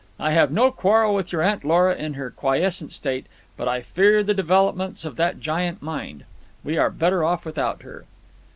I have no quarrel with your Aunt Lora in her quiescent state, but I fear the developments of that giant mind. We are better off without her."